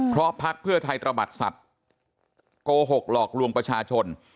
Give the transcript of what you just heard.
เพราะพักเพื่อไทยตระบัดสัตว์โกหกหลอกลวงประชาชน